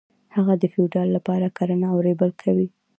هغه د فیوډال لپاره کرنه او ریبل کول.